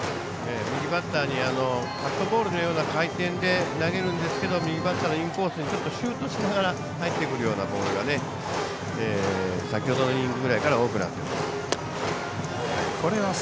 右バッターにカットボールのような回転で投げるんですけど右バッターのインコースにちょっとシュートしながら入ってくるようなボールが先ほどのイニングぐらいから多くなっています。